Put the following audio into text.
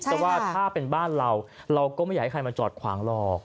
แต่ว่าถ้าเป็นบ้านเราเราก็ไม่อยากให้ใครมาจอดขวางหรอก